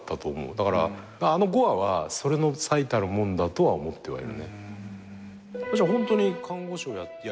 だからあの５話はそれの最たるもんだとは思ってはいる。